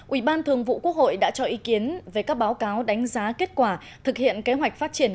ủy ban thường vụ quốc hội đã cho ý kiến về các báo cáo đánh giá kết quả thực hiện kế hoạch phát triển